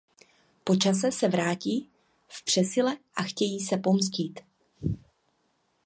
Po čase se vrátí v přesile a chtějí se pomstít.